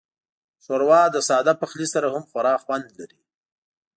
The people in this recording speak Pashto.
ښوروا له ساده پخلي سره هم خورا خوند لري.